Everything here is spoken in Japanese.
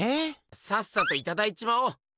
さっさといただいちまおう。